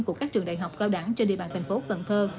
của các trường đại học cao đẳng trên địa bàn tp cần thơ